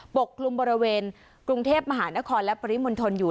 กลุ่มบริเวณกรุงเทพมหานครและปริมณฑลอยู่